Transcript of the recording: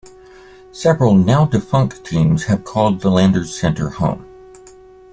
Several now-defunct teams have called the Landers Center home.